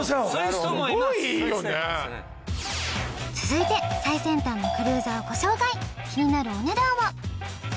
すごいいいよね続いて最先端のクルーザーをご紹介気になるお値段は？